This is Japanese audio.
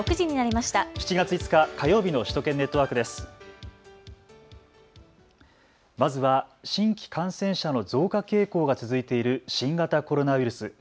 まずは新規感染者の増加傾向が続いている新型コロナウイルス。